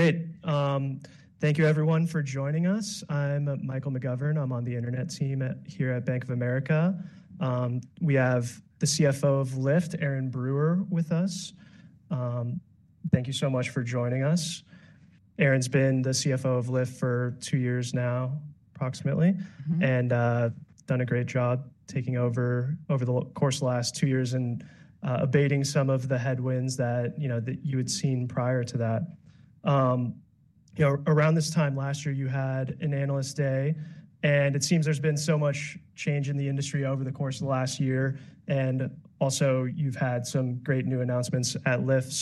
Great. Thank you, everyone, for joining us. I'm Michael McGovern. I'm on the Internet team here at Bank of America. We have the CFO of Lyft, Erin Brewer, with us. Thank you so much for joining us. Erin's been the CFO of Lyft for two years now, approximately, and done a great job taking over the course of the last two years and abating some of the headwinds that you had seen prior to that. Around this time last year, you had an Analyst Day, and it seems there's been so much change in the industry over the course of the last year. Also, you've had some great new announcements at Lyft.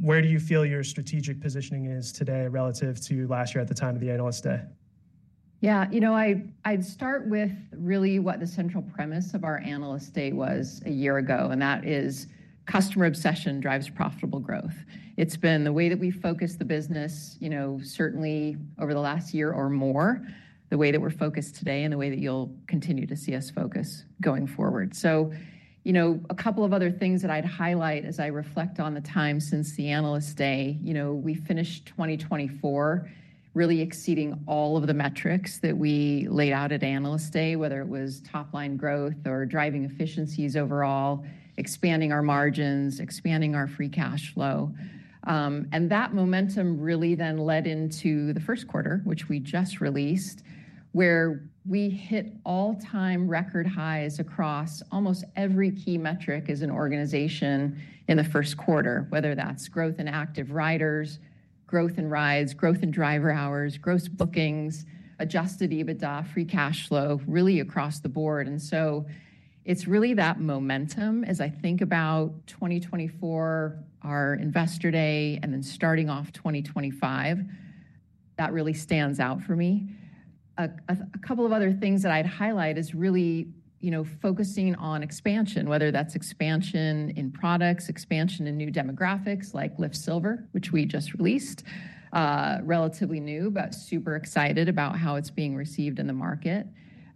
Where do you feel your strategic positioning is today relative to last year at the time of the Analyst Day? Yeah, you know, I'd start with really what the central premise of our Analyst Day was a year ago, and that is customer obsession drives profitable growth. It's been the way that we focus the business, certainly over the last year or more, the way that we're focused today and the way that you'll continue to see us focus going forward. A couple of other things that I'd highlight as I reflect on the time since the Analyst Day, we finished 2024 really exceeding all of the metrics that we laid out at Analyst Day, whether it was top-line growth or driving efficiencies overall, expanding our margins, expanding our free cash flow. That momentum really then led into the first quarter, which we just released, where we hit all-time record highs across almost every key metric as an organization in the first quarter, whether that's growth in active riders, growth in rides, growth in driver hours, gross bookings, adjusted EBITDA, free cash flow, really across the board. It's really that momentum as I think about 2024, our Investor Day, and then starting off 2025 that really stands out for me. A couple of other things that I'd highlight is really focusing on expansion, whether that's expansion in products, expansion in new demographics like Lyft Silver, which we just released, relatively new, but super excited about how it's being received in the market.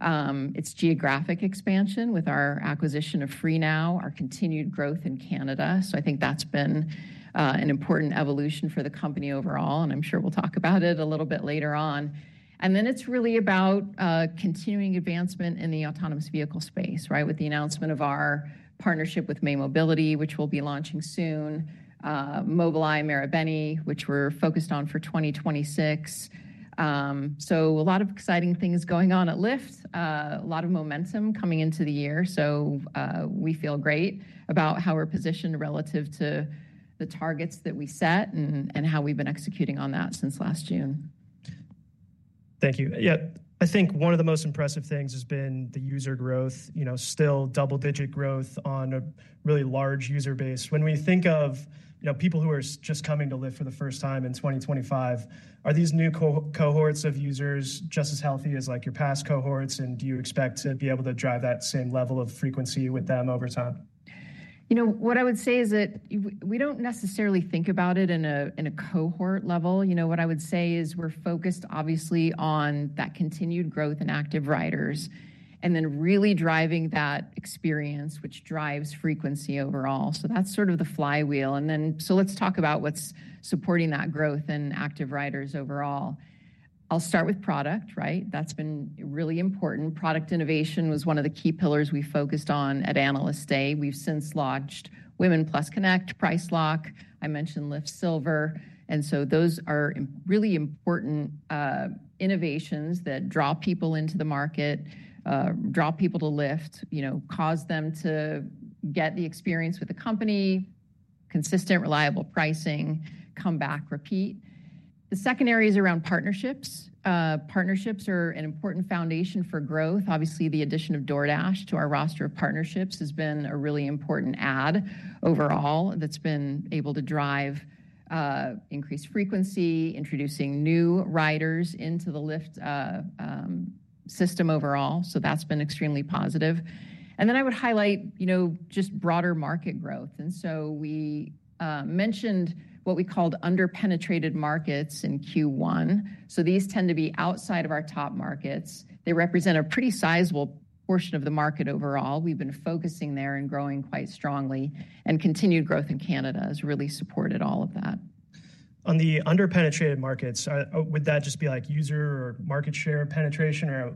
It's geographic expansion with our acquisition of Freenow, our continued growth in Canada. I think that's been an important evolution for the company overall, and I'm sure we'll talk about it a little bit later on. Then it's really about continuing advancement in the autonomous vehicle space, right, with the announcement of our partnership with May Mobility, which we'll be launching soon, Mobileye and Marubeni, which we're focused on for 2026. A lot of exciting things going on at Lyft, a lot of momentum coming into the year. We feel great about how we're positioned relative to the targets that we set and how we've been executing on that since last June. Thank you. Yeah, I think one of the most impressive things has been the user growth, still double-digit growth on a really large user base. When we think of people who are just coming to Lyft for the first time in 2025, are these new cohorts of users just as healthy as your past cohorts, and do you expect to be able to drive that same level of frequency with them over time? You know, what I would say is that we do not necessarily think about it in a cohort level. You know, what I would say is we are focused, obviously, on that continued growth in active riders and then really driving that experience, which drives frequency overall. That is sort of the flywheel. Let us talk about what is supporting that growth in active riders overall. I will start with product, right? That has been really important. Product innovation was one of the key pillars we focused on at Analyst Day. We have since launched Women+ Connect, Price Lock, I mentioned Lyft Silver. Those are really important innovations that draw people into the market, draw people to Lyft, cause them to get the experience with the company, consistent, reliable pricing, come back, repeat. The second area is around partnerships. Partnerships are an important foundation for growth. Obviously, the addition of DoorDash to our roster of partnerships has been a really important add overall that's been able to drive increased frequency, introducing new riders into the Lyft system overall. That's been extremely positive. I would highlight just broader market growth. We mentioned what we called underpenetrated markets in Q1. These tend to be outside of our top markets. They represent a pretty sizable portion of the market overall. We've been focusing there and growing quite strongly. Continued growth in Canada has really supported all of that. On the underpenetrated markets, would that just be like user or market share penetration? Or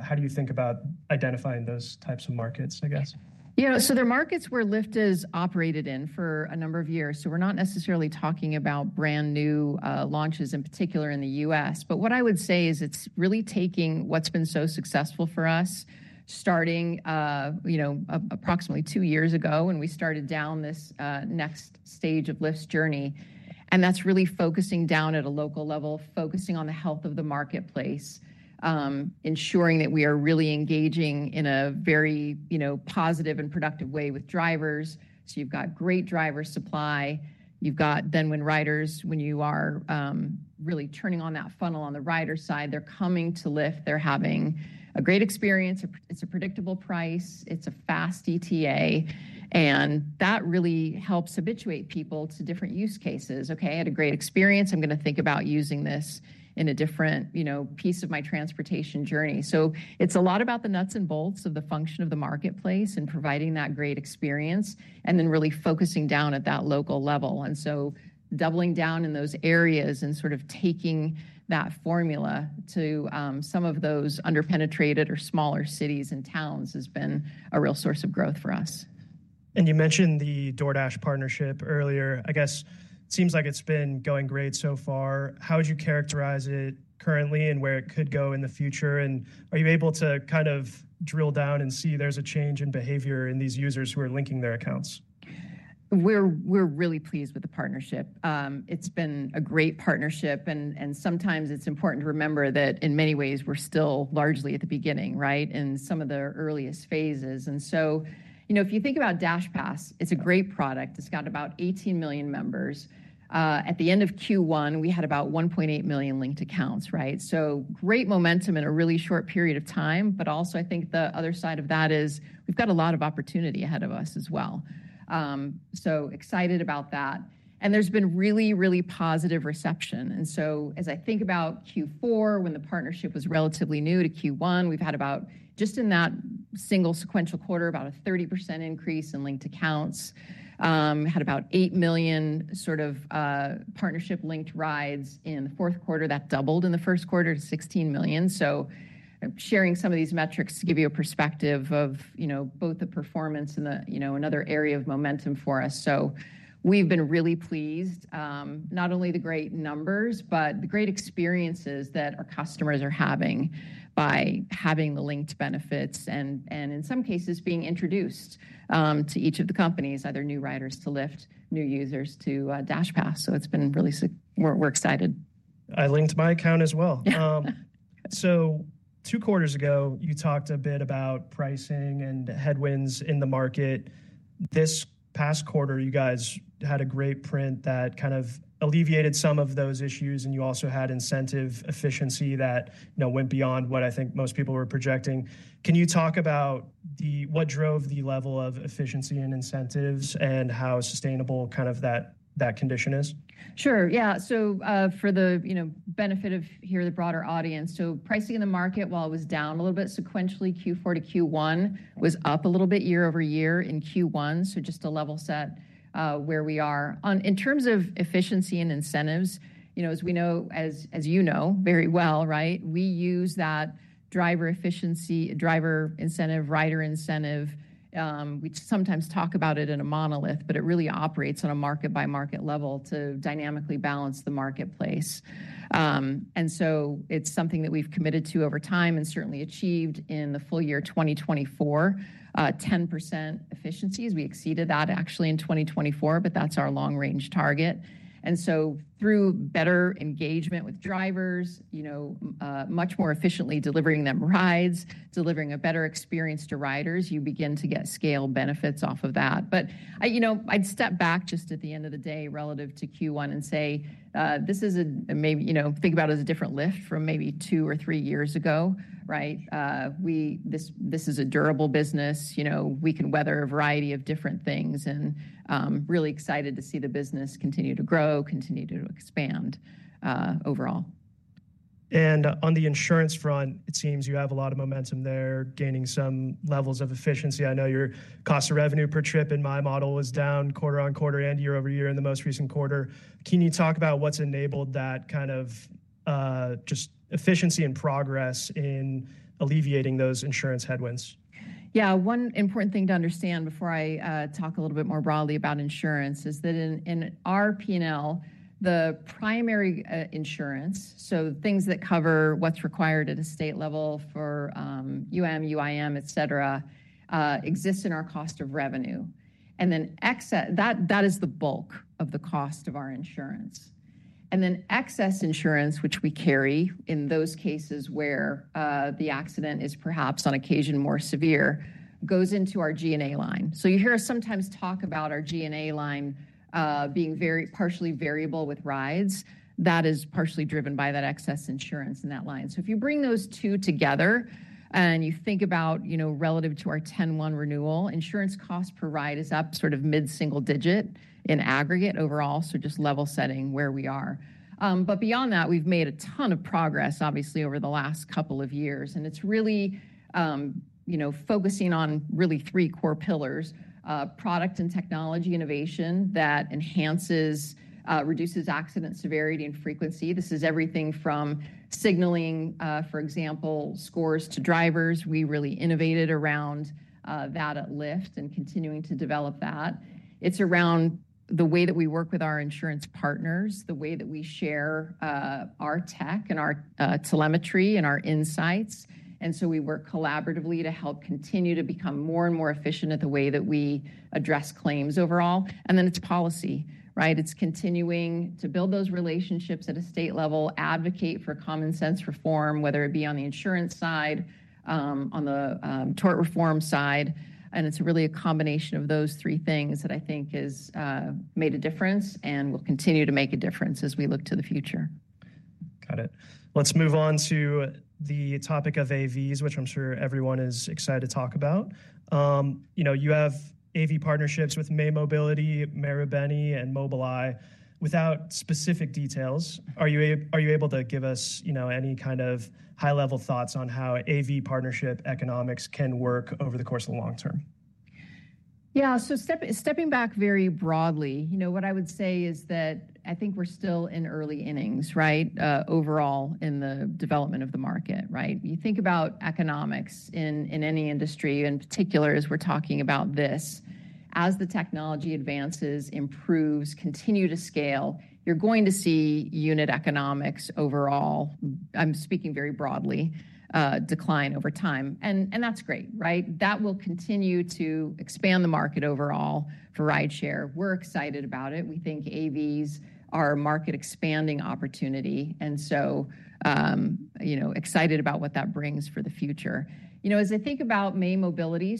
how do you think about identifying those types of markets, I guess? Yeah, so there are markets where Lyft has operated in for a number of years. We're not necessarily talking about brand new launches, in particular in the U.S. What I would say is it's really taking what's been so successful for us, starting approximately two years ago when we started down this next stage of Lyft's journey. That's really focusing down at a local level, focusing on the health of the marketplace, ensuring that we are really engaging in a very positive and productive way with drivers. You've got great driver supply. Then when riders, when you are really turning on that funnel on the rider side, they're coming to Lyft. They're having a great experience. It's a predictable price. It's a fast ETA. That really helps habituate people to different use cases. Okay, I had a great experience. I'm going to think about using this in a different piece of my transportation journey. It is a lot about the nuts and bolts of the function of the marketplace and providing that great experience and then really focusing down at that local level. Doubling down in those areas and sort of taking that formula to some of those underpenetrated or smaller cities and towns has been a real source of growth for us. You mentioned the DoorDash partnership earlier. I guess it seems like it's been going great so far. How would you characterize it currently and where it could go in the future? Are you able to kind of drill down and see there's a change in behavior in these users who are linking their accounts? We're really pleased with the partnership. It's been a great partnership. Sometimes it's important to remember that in many ways, we're still largely at the beginning, right, in some of the earliest phases. If you think about DashPass, it's a great product. It's got about 18 million members. At the end of Q1, we had about 1.8 million linked accounts, right? Great momentum in a really short period of time. I think the other side of that is we've got a lot of opportunity ahead of us as well. Excited about that. There's been really, really positive reception. As I think about Q4, when the partnership was relatively new to Q1, we've had about, just in that single sequential quarter, about a 30% increase in linked accounts. Had about 8 million sort of partnership-linked rides in the fourth quarter. That doubled in the first quarter to 16 million. Sharing some of these metrics to give you a perspective of both the performance and another area of momentum for us. We've been really pleased, not only the great numbers, but the great experiences that our customers are having by having the linked benefits and in some cases being introduced to each of the companies, either new riders to Lyft, new users to DashPass. It's been really, we're excited. I linked my account as well. Two quarters ago, you talked a bit about pricing and headwinds in the market. This past quarter, you guys had a great print that kind of alleviated some of those issues. You also had incentive efficiency that went beyond what I think most people were projecting. Can you talk about what drove the level of efficiency in incentives and how sustainable kind of that condition is? Sure. Yeah. For the benefit of the broader audience, pricing in the market, while it was down a little bit sequentially Q4 to Q1, was up a little bit year-over-year in Q1. Just to level set where we are. In terms of efficiency and incentives, as you know very well, we use that driver efficiency, driver incentive, rider incentive. We sometimes talk about it in a monolith, but it really operates on a market-by-market level to dynamically balance the marketplace. It is something that we've committed to over time and certainly achieved in the full year 2024, 10% efficiencies. We exceeded that actually in 2024, but that's our long-range target. Through better engagement with drivers, much more efficiently delivering them rides, delivering a better experience to riders, you begin to get scale benefits off of that. I'd step back just at the end of the day relative to Q1 and say, this is a maybe think about it as a different Lyft from maybe two or three years ago, right? This is a durable business. We can weather a variety of different things. Really excited to see the business continue to grow, continue to expand overall. On the insurance front, it seems you have a lot of momentum there, gaining some levels of efficiency. I know your cost of revenue per trip in my model was down quarter-on-quarter and year-over-year in the most recent quarter. Can you talk about what's enabled that kind of just efficiency and progress in alleviating those insurance headwinds? Yeah, one important thing to understand before I talk a little bit more broadly about insurance is that in our P&L, the primary insurance, so things that cover what's required at a state level for UM/UIM, et cetera, exists in our cost of revenue. That is the bulk of the cost of our insurance. Then excess insurance, which we carry in those cases where the accident is perhaps on occasion more severe, goes into our G&A line. You hear us sometimes talk about our G&A line being partially variable with rides. That is partially driven by that excess insurance in that line. If you bring those two together and you think about relative to our 10-1 renewal, insurance cost per ride is up sort of mid-single digit in aggregate overall. Just level setting where we are. We've made a ton of progress, obviously, over the last couple of years. It's really focusing on really three core pillars: product and technology innovation that enhances, reduces accident severity and frequency. This is everything from signaling, for example, scores to drivers. We really innovated around that at Lyft and continuing to develop that. It's around the way that we work with our insurance partners, the way that we share our tech and our telemetry and our insights. We work collaboratively to help continue to become more and more efficient at the way that we address claims overall. It's policy, right? It's continuing to build those relationships at a state level, advocate for common sense reform, whether it be on the insurance side, on the tort reform side. It is really a combination of those three things that I think has made a difference and will continue to make a difference as we look to the future. Got it. Let's move on to the topic of AVs, which I'm sure everyone is excited to talk about. You have AV partnerships with May Mobility, Marubeni, and Mobileye. Without specific details, are you able to give us any kind of high-level thoughts on how AV partnership economics can work over the course of the long term? Yeah. Stepping back very broadly, what I would say is that I think we're still in early innings, right, overall in the development of the market, right? You think about economics in any industry in particular as we're talking about this. As the technology advances, improves, continues to scale, you're going to see unit economics overall, I'm speaking very broadly, decline over time. That's great, right? That will continue to expand the market overall for rideshare. We're excited about it. We think AVs are a market expanding opportunity. Excited about what that brings for the future. As I think about May Mobility,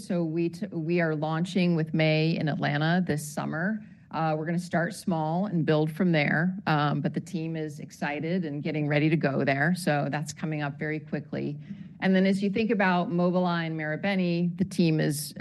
we are launching with May in Atlanta this summer. We're going to start small and build from there. The team is excited and getting ready to go there. That's coming up very quickly. As you think about Mobileye and Marubeni, the teams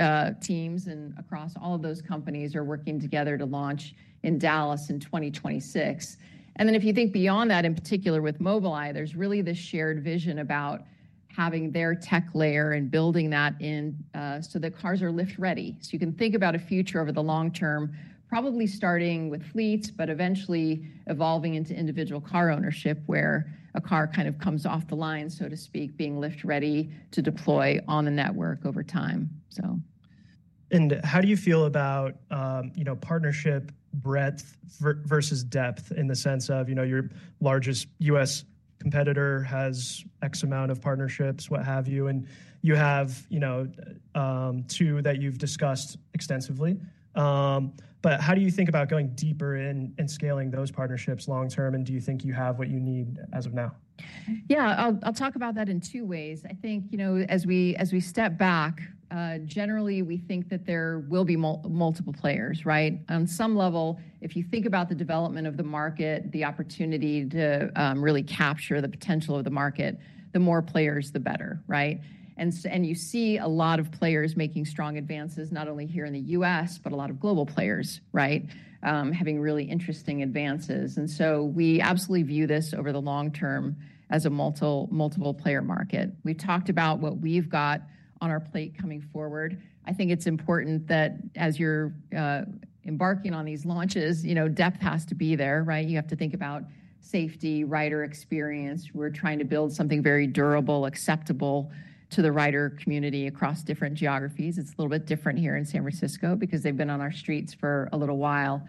across all of those companies are working together to launch in Dallas in 2026. If you think beyond that, in particular with Mobileye, there's really this shared vision about having their tech layer and building that in so the cars are Lyft-ready. You can think about a future over the long term, probably starting with fleets, but eventually evolving into individual car ownership where a car kind of comes off the line, so to speak, being Lyft-ready to deploy on the network over time. How do you feel about partnership breadth versus depth in the sense of your largest U.S. competitor has X amount of partnerships, what have you? You have two that you've discussed extensively. How do you think about going deeper in and scaling those partnerships long term? Do you think you have what you need as of now? Yeah, I'll talk about that in two ways. I think as we step back, generally, we think that there will be multiple players, right? On some level, if you think about the development of the market, the opportunity to really capture the potential of the market, the more players, the better, right? You see a lot of players making strong advances, not only here in the U.S., but a lot of global players, right, having really interesting advances. We absolutely view this over the long term as a multiple-player market. We've talked about what we've got on our plate coming forward. I think it's important that as you're embarking on these launches, depth has to be there, right? You have to think about safety, rider experience. We're trying to build something very durable, acceptable to the rider community across different geographies. It's a little bit different here in San Francisco because they've been on our streets for a little while.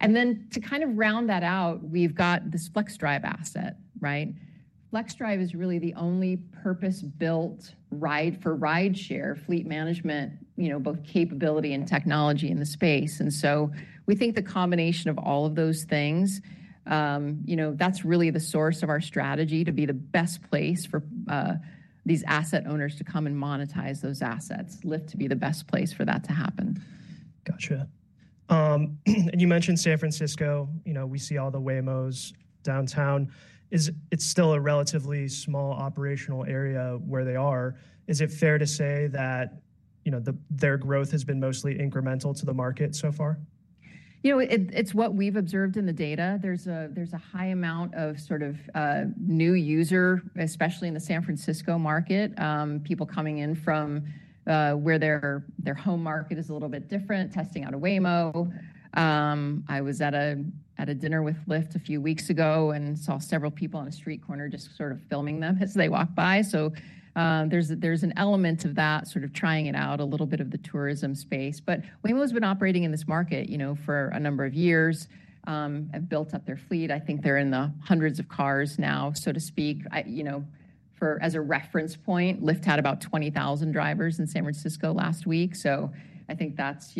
To kind of round that out, we've got this Flexdrive asset, right? Flexdrive is really the only purpose-built ride for rideshare fleet management, both capability and technology in the space. We think the combination of all of those things, that's really the source of our strategy to be the best place for these asset owners to come and monetize those assets, Lyft to be the best place for that to happen. Gotcha. You mentioned San Francisco. We see all the Waymos downtown. It's still a relatively small operational area where they are. Is it fair to say that their growth has been mostly incremental to the market so far? It's what we've observed in the data. There's a high amount of sort of new user, especially in the San Francisco market, people coming in from where their home market is a little bit different, testing out a Waymo. I was at a dinner with Lyft a few weeks ago and saw several people on a street corner just sort of filming them as they walked by. There is an element of that, sort of trying it out, a little bit of the tourism space. Waymo has been operating in this market for a number of years and built up their fleet. I think they're in the hundreds of cars now, so to speak. As a reference point, Lyft had about 20,000 drivers in San Francisco last week. I think that's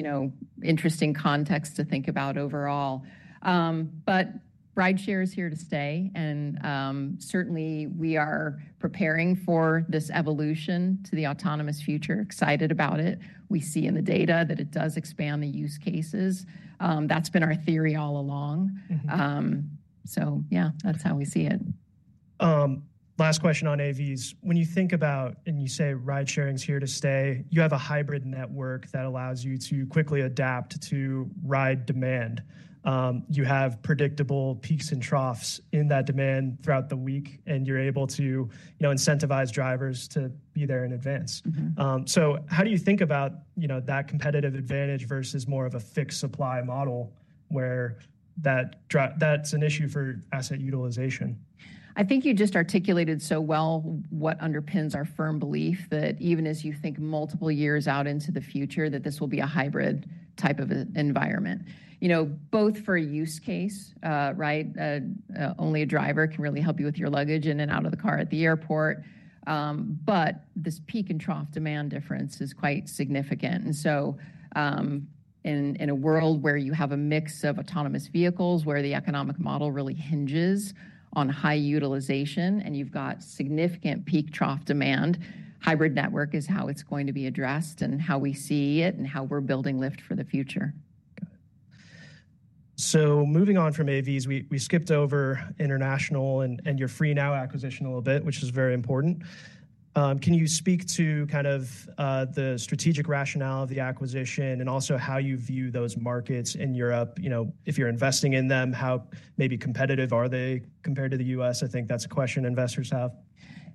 interesting context to think about overall. Rideshare is here to stay. Certainly, we are preparing for this evolution to the autonomous future. Excited about it. We see in the data that it does expand the use cases. That's been our theory all along. Yeah, that's how we see it. Last question on AVs. When you think about, and you say ride sharing is here to stay, you have a hybrid network that allows you to quickly adapt to ride demand. You have predictable peaks and troughs in that demand throughout the week. And you're able to incentivize drivers to be there in advance. How do you think about that competitive advantage versus more of a fixed supply model where that's an issue for asset utilization? I think you just articulated so well what underpins our firm belief that even as you think multiple years out into the future, that this will be a hybrid type of environment. Both for a use case, right? Only a driver can really help you with your luggage in and out of the car at the airport. This peak and trough demand difference is quite significant. In a world where you have a mix of autonomous vehicles where the economic model really hinges on high utilization and you've got significant peak trough demand, hybrid network is how it's going to be addressed and how we see it and how we're building Lyft for the future. Got it. Moving on from AVs, we skipped over international and your Freenow acquisition a little bit, which is very important. Can you speak to kind of the strategic rationale of the acquisition and also how you view those markets in Europe? If you're investing in them, how maybe competitive are they compared to the U.S.? I think that's a question investors have.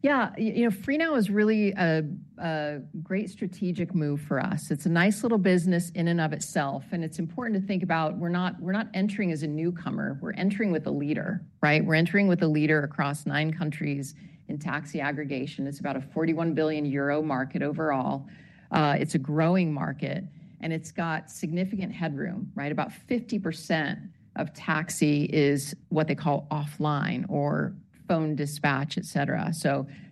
Yeah. Freenow is really a great strategic move for us. It's a nice little business in and of itself. It's important to think about we're not entering as a newcomer. We're entering with a leader, right? We're entering with a leader across nine countries in taxi aggregation. It's about 41 billion euro market overall. It's a growing market. It's got significant headroom, right? About 50% of taxi is what they call offline or phone dispatch, et cetera.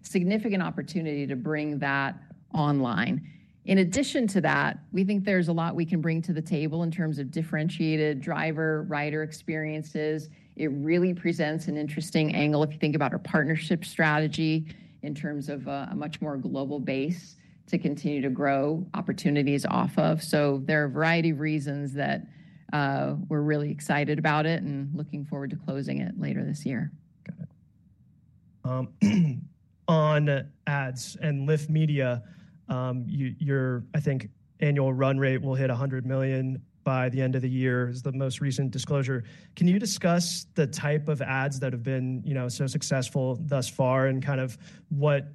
Significant opportunity to bring that online. In addition to that, we think there's a lot we can bring to the table in terms of differentiated driver, rider experiences. It really presents an interesting angle if you think about our partnership strategy in terms of a much more global base to continue to grow opportunities off of. There are a variety of reasons that we're really excited about it and looking forward to closing it later this year. Got it. On Ads and Lyft Media, your, I think, annual run rate will hit $100 million by the end of the year is the most recent disclosure. Can you discuss the type of ads that have been so successful thus far and kind of what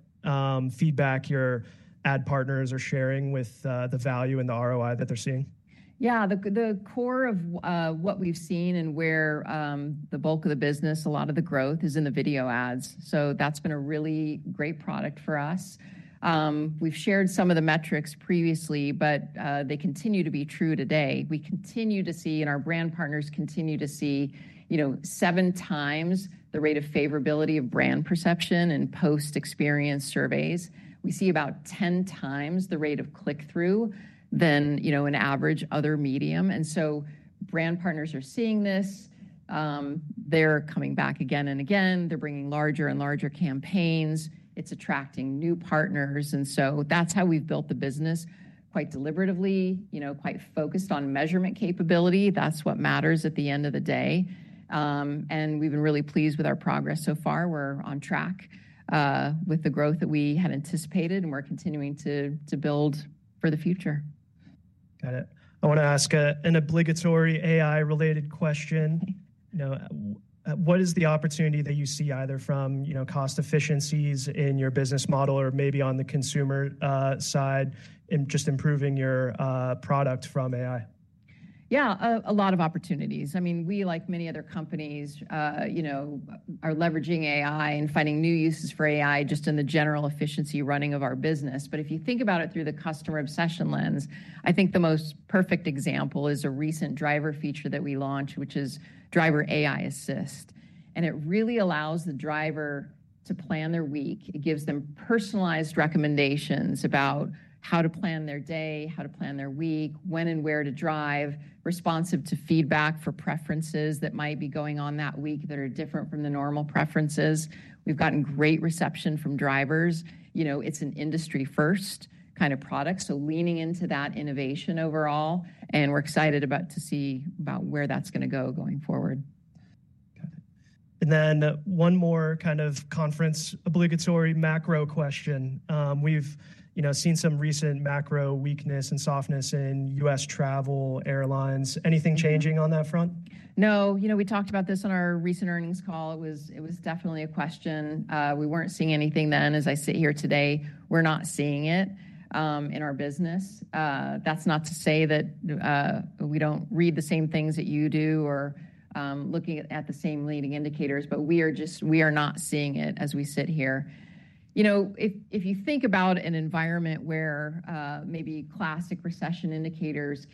feedback your ad partners are sharing with the value and the ROI that they're seeing? Yeah. The core of what we've seen and where the bulk of the business, a lot of the growth is in the video ads. That's been a really great product for us. We've shared some of the metrics previously, but they continue to be true today. We continue to see and our brand partners continue to see seven times the rate of favorability of brand perception in post experience surveys. We see about 10x the rate of click-through than an average other medium. Brand partners are seeing this. They're coming back again and again. They're bringing larger and larger campaigns. It's attracting new partners. That's how we've built the business quite deliberatively, quite focused on measurement capability. That's what matters at the end of the day. We've been really pleased with our progress so far. We're on track with the growth that we had anticipated and we're continuing to build for the future. Got it. I want to ask an obligatory AI-related question. What is the opportunity that you see either from cost efficiencies in your business model or maybe on the consumer side in just improving your product from AI? Yeah, a lot of opportunities. I mean, we, like many other companies, are leveraging AI and finding new uses for AI just in the general efficiency running of our business. If you think about it through the customer obsession lens, I think the most perfect example is a recent driver feature that we launched, which is Driver AI Assist. It really allows the driver to plan their week. It gives them personalized recommendations about how to plan their day, how to plan their week, when and where to drive, responsive to feedback for preferences that might be going on that week that are different from the normal preferences. We've gotten great reception from drivers. It's an industry-first kind of product. Leaning into that innovation overall. We're excited to see about where that's going to go going forward. Got it. One more kind of conference obligatory macro question. We've seen some recent macro weakness and softness in U.S. travel airlines. Anything changing on that front? No. We talked about this on our recent earnings call. It was definitely a question. We weren't seeing anything then. As I sit here today, we're not seeing it in our business. That's not to say that we don't read the same things that you do or looking at the same leading indicators. We are not seeing it as we sit here. If you think about an environment where maybe classic recession indicators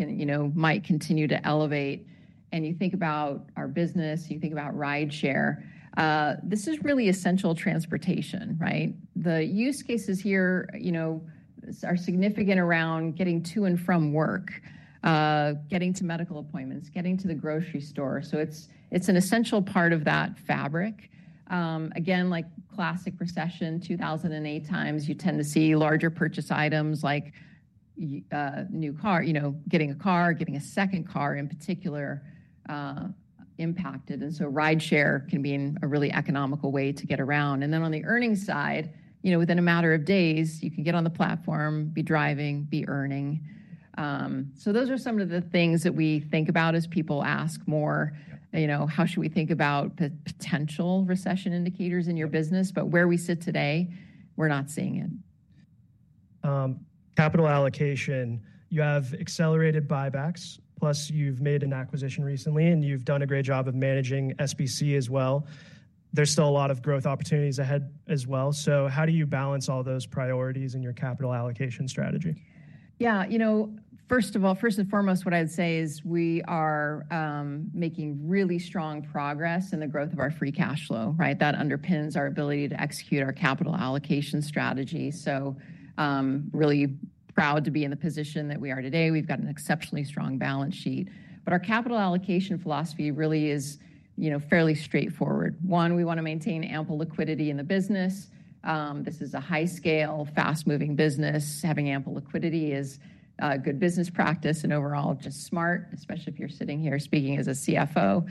might continue to elevate and you think about our business, you think about rideshare, this is really essential transportation, right? The use cases here are significant around getting to and from work, getting to medical appointments, getting to the grocery store. It's an essential part of that fabric. Again, like classic recession, 2008 times, you tend to see larger purchase items like getting a car, getting a second car in particular impacted. Rideshare can be a really economical way to get around. On the earnings side, within a matter of days, you can get on the platform, be driving, be earning. Those are some of the things that we think about as people ask more, how should we think about potential recession indicators in your business? Where we sit today, we're not seeing it. Capital allocation, you have accelerated buybacks, plus you've made an acquisition recently and you've done a great job of managing SBC as well. There's still a lot of growth opportunities ahead as well. How do you balance all those priorities in your capital allocation strategy? Yeah. First of all, first and foremost, what I'd say is we are making really strong progress in the growth of our free cash flow, right? That underpins our ability to execute our capital allocation strategy. Really proud to be in the position that we are today. We've got an exceptionally strong balance sheet. Our capital allocation philosophy really is fairly straightforward. One, we want to maintain ample liquidity in the business. This is a high-scale, fast-moving business. Having ample liquidity is a good business practice and overall just smart, especially if you're sitting here speaking as a CFO.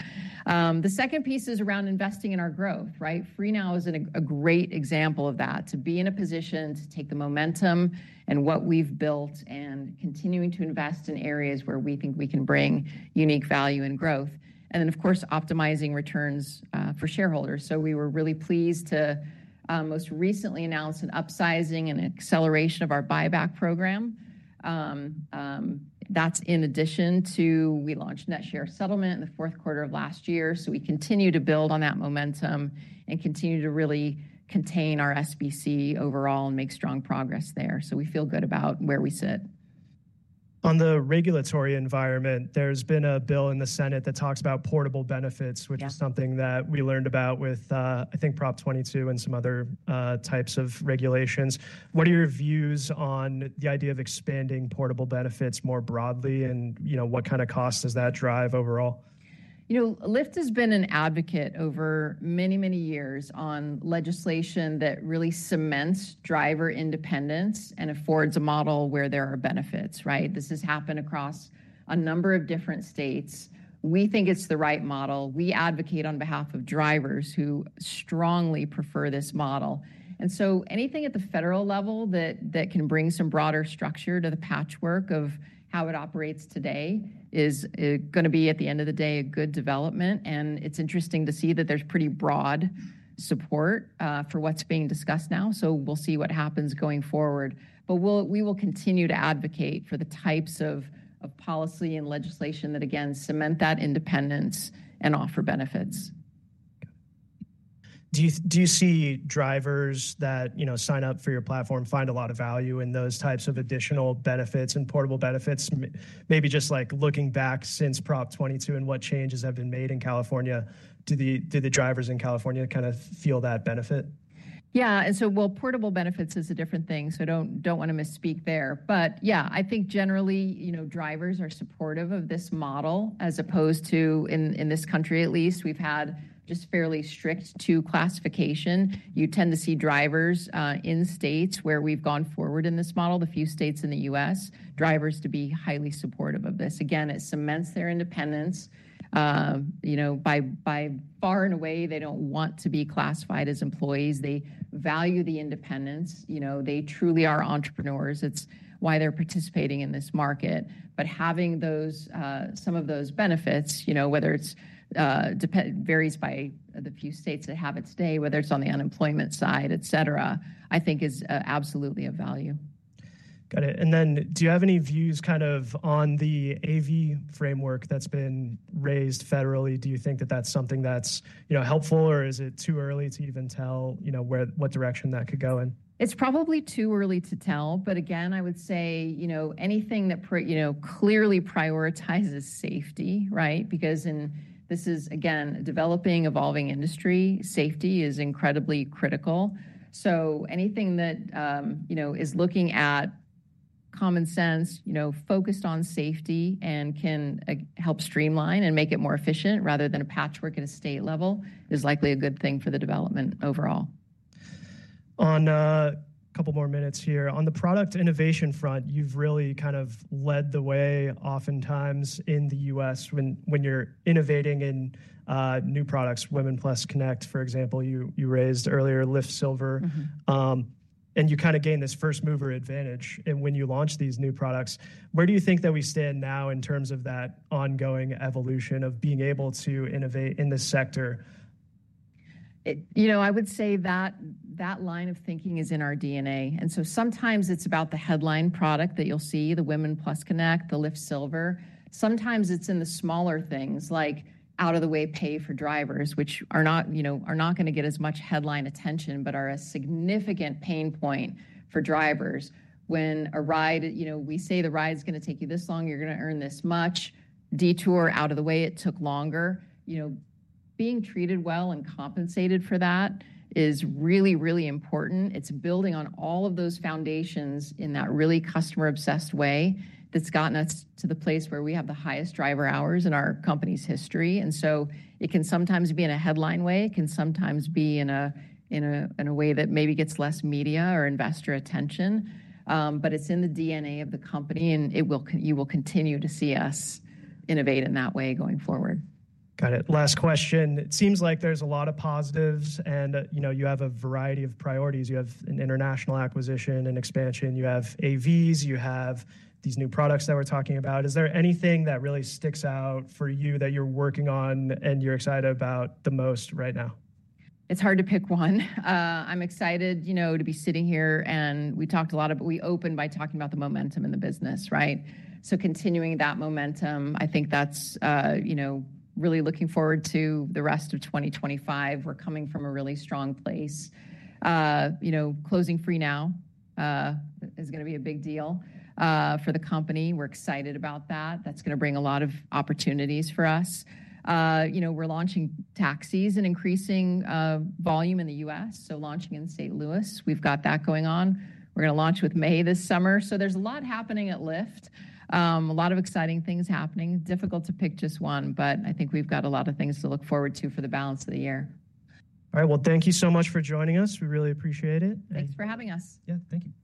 The second piece is around investing in our growth, right? Freenow is a great example of that, to be in a position to take the momentum and what we've built and continuing to invest in areas where we think we can bring unique value and growth. Of course, optimizing returns for shareholders. We were really pleased to most recently announce an upsizing and acceleration of our buyback program. That is in addition to we launched net share settlement in the fourth quarter of last year. We continue to build on that momentum and continue to really contain our SBC overall and make strong progress there. We feel good about where we sit. On the regulatory environment, there's been a bill in the Senate that talks about portable benefits, which is something that we learned about with, I think, Prop 22 and some other types of regulations. What are your views on the idea of expanding portable benefits more broadly and what kind of cost does that drive overall? Lyft has been an advocate over many, many years on legislation that really cements driver independence and affords a model where there are benefits, right? This has happened across a number of different states. We think it's the right model. We advocate on behalf of drivers who strongly prefer this model. Anything at the federal level that can bring some broader structure to the patchwork of how it operates today is going to be, at the end of the day, a good development. It's interesting to see that there's pretty broad support for what's being discussed now. We'll see what happens going forward. We will continue to advocate for the types of policy and legislation that, again, cement that independence and offer benefits. Do you see drivers that sign up for your platform find a lot of value in those types of additional benefits and portable benefits? Maybe just like looking back since Prop 22 and what changes have been made in California, do the drivers in California kind of feel that benefit? Yeah. Portable benefits is a different thing. I do not want to misspeak there. I think generally drivers are supportive of this model as opposed to, in this country at least, we have had just fairly strict two classification. You tend to see drivers in states where we have gone forward in this model, the few states in the U.S., drivers to be highly supportive of this. Again, it cements their independence. By far and away, they do not want to be classified as employees. They value the independence. They truly are entrepreneurs. It is why they are participating in this market. Having some of those benefits, whether it varies by the few states that have it today, whether it is on the unemployment side, et cetera, I think is absolutely a value. Got it. Do you have any views kind of on the AV framework that's been raised federally? Do you think that that's something that's helpful or is it too early to even tell what direction that could go in? It's probably too early to tell. Again, I would say anything that clearly prioritizes safety, right? Because this is, again, a developing, evolving industry. Safety is incredibly critical. Anything that is looking at common sense, focused on safety and can help streamline and make it more efficient rather than a patchwork at a state level is likely a good thing for the development overall. On a couple more minutes here. On the product innovation front, you've really kind of led the way oftentimes in the U.S. when you're innovating in new products. Women+ Connect, for example, you raised earlier, Lyft Silver. And you kind of gain this first mover advantage when you launch these new products. Where do you think that we stand now in terms of that ongoing evolution of being able to innovate in this sector? I would say that line of thinking is in our DNA. Sometimes it's about the headline product that you'll see, the Women+ Connect, the Lyft Silver. Sometimes it's in the smaller things like out-of-the-way pay for drivers, which are not going to get as much headline attention but are a significant pain point for drivers. When a ride, we say the ride is going to take you this long, you're going to earn this much. Detour out of the way, it took longer. Being treated well and compensated for that is really, really important. It's building on all of those foundations in that really customer-obsessed way that's gotten us to the place where we have the highest driver hours in our company's history. It can sometimes be in a headline way. It can sometimes be in a way that maybe gets less media or investor attention. It is in the DNA of the company. You will continue to see us innovate in that way going forward. Got it. Last question. It seems like there's a lot of positives and you have a variety of priorities. You have an international acquisition and expansion. You have AVs. You have these new products that we're talking about. Is there anything that really sticks out for you that you're working on and you're excited about the most right now? It's hard to pick one. I'm excited to be sitting here and we talked a lot about we opened by talking about the momentum in the business, right? Continuing that momentum, I think that's really looking forward to the rest of 2025. We're coming from a really strong place. Closing Freenow is going to be a big deal for the company. We're excited about that. That's going to bring a lot of opportunities for us. We're launching taxis and increasing volume in the U.S., launching in St. Louis. We've got that going on. We're going to launch with May this summer. There's a lot happening at Lyft. A lot of exciting things happening. Difficult to pick just one, but I think we've got a lot of things to look forward to for the balance of the year. All right. Thank you so much for joining us. We really appreciate it. Thanks for having us. Yeah. Thank you.